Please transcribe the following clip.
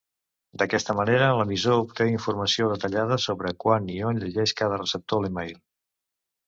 D'aquesta manera l'emissor obté informació detallada sobre quan i on llegeix cada receptor l'e-mail.